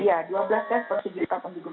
iya dua belas tes per tujuh juta penduduk